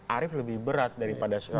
arief lebih berat daripada soal govar